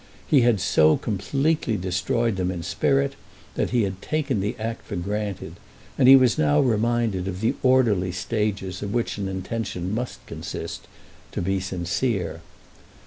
He had so completely destroyed them in spirit that he had taken the act for granted, and he was now reminded of the orderly stages of which an intention must consist to be sincere.